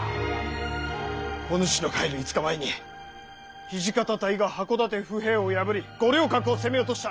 お主の帰る５日前に土方隊が箱館府兵を破り五稜郭を攻め落とした。